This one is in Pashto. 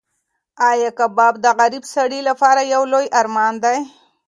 ایا کباب د غریب سړي لپاره یو لوی ارمان دی؟